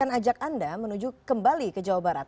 akan ajak anda menuju kembali ke jawa barat